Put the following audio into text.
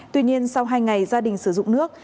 tuy nhiên sau hai ngày gia đình sử dụng nước